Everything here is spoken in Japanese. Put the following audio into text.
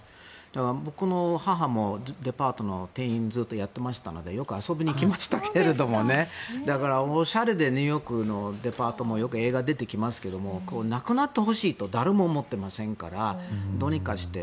僕の母もデパートの店員をずっとやっていましたのでよく遊びに行きましたけどおしゃれでニューヨークのデパートもよく映画に出てきますけどなくなってほしいと誰も思ってませんからどうにかして。